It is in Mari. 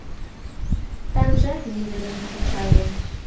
Таҥжат мӱндырын чучале.